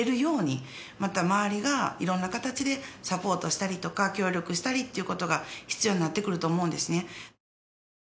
また周りが色んな形でサポートしたりとか協力したりっていう事が必要になってくると思うんですね。